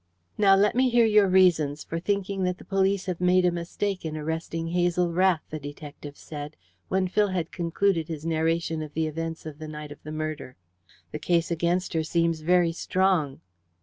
"Now, let me hear your reasons for thinking that the police have made a mistake in arresting Hazel Rath," the detective said, when Phil had concluded his narration of the events of the night of the murder. "The case against her seems very strong."